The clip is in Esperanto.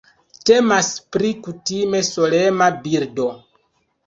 Temas pri kutime solema birdo.